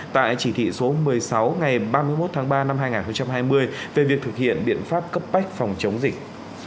tại chỉ thị số một mươi sáu ngày ba mươi một tháng ba năm hai nghìn hai mươi về việc thực hiện biện pháp cấp bách phòng chống dịch